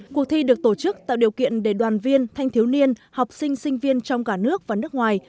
cuộc thi được tổ chức tạo điều kiện để đoàn viên thanh thiếu niên học sinh sinh viên trong cả nước và nước ngoài